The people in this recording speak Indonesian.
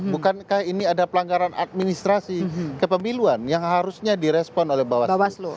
bukankah ini ada pelanggaran administrasi kepemiluan yang harusnya direspon oleh bawaslu